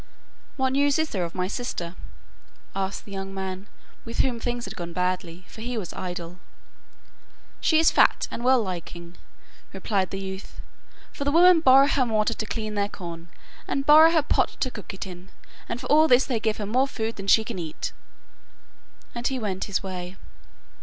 'What news is there of my sister?' asked the young man, with whom things had gone badly, for he was idle. 'She is fat and well liking,' replied the youth, 'for the women borrow her mortar to clean their corn, and borrow her pot to cook it in, and for al this they give her more food than she can eat.' And he went his way.